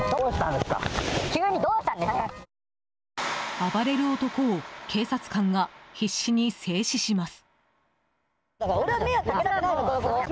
暴れる男を警察官が必死に制止します。